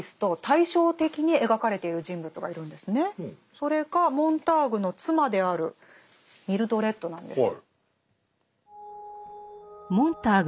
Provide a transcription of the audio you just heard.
それがモンターグの妻であるミルドレッドなんです。